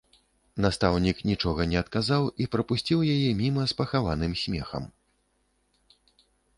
Настаўнік нічога не адказаў і прапусціў яе міма з пахаваным смехам.